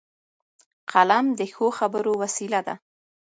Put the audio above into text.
قلم د ښو خبرو وسیله ده